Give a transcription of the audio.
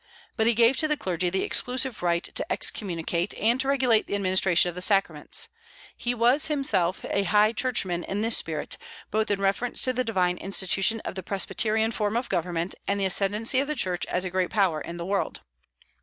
But he gave to the clergy the exclusive right to excommunicate, and to regulate the administration of the sacraments. He was himself a high churchman in his spirit, both in reference to the divine institution of the presbyterian form of government and the ascendancy of the Church as a great power in the world.